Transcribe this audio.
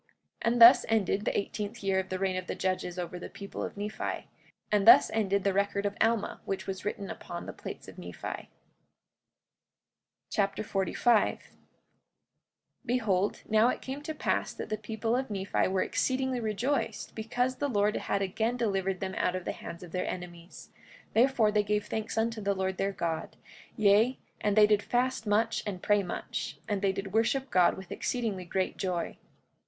44:24 And thus ended the eighteenth year of the reign of the judges over the people of Nephi. And thus ended the record of Alma, which was written upon the plates of Nephi. Alma Chapter 45 45:1 Behold, now it came to pass that the people of Nephi were exceedingly rejoiced, because the Lord had again delivered them out of the hands of their enemies; therefore they gave thanks unto the Lord their God; yea, and they did fast much and pray much, and they did worship God with exceedingly great joy.